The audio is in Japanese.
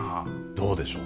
どうでしょう？